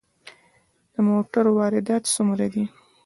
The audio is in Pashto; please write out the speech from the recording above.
د موټرو واردات څومره دي؟